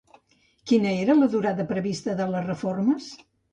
Quina era la durada prevista de les reformes?